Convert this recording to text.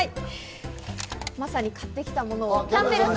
まさに今、買ってきたもの。